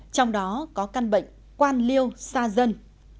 trong đó có căn bệnh quan liêu xa dân